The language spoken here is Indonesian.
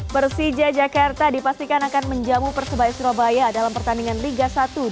persija jakarta dipastikan akan menjamu persebaya surabaya dalam pertandingan liga satu dua ribu dua puluh tiga dua ribu dua puluh empat